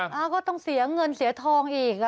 อ่าก็ต้องเสียเงินเสียทองอีกอ่ะ